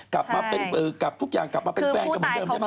กลับมาเป็นกลับทุกอย่างกลับมาเป็นแฟนกันเหมือนเดิมใช่ไหม